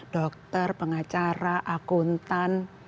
dokter pengacara akuntan